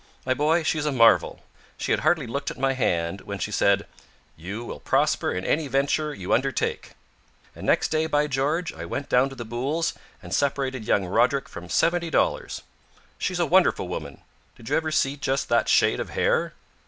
My boy, she's a marvel. She had hardly looked at my hand, when she said: 'You will prosper in any venture you undertake.' And next day, by George, I went down to the Booles' and separated young Roderick from seventy dollars. She's a wonderful woman. Did you ever see just that shade of hair?"